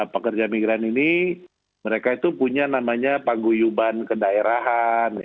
pekerja migran ini mereka itu punya namanya paguyuban kedaerahan